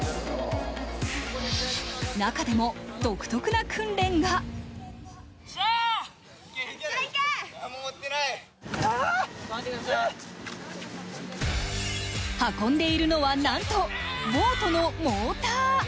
中でも独特な訓練が運んでいるのは、なんとボートのモーター。